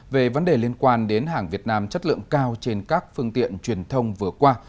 về vấn đề liên quan đến hàng việt nam chất lượng cao trên các phương tiện truyền thông vừa qua